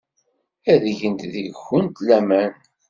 Ad gent deg-went laman.